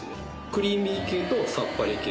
クリーミー系とさっぱり系